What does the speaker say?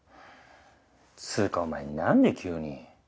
つーかお前なんで急に。